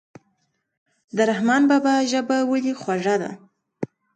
د رحمان بابا ژبه ولې خوږه ده.